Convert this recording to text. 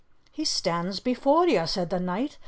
"He stands before you," said the knight.